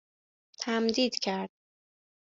تمدید کرد